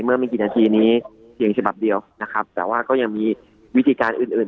เมื่อไม่กี่นาทีนี้เหียงฉบับเดียวแต่ว่าก็ยังมีวิธีการอื่น